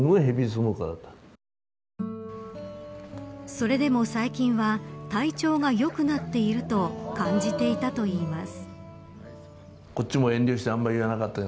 それでも最近は体調が良くなっていると感じていたといいます。